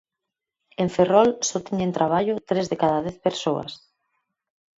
En Ferrol só teñen traballo tres de cada dez persoas.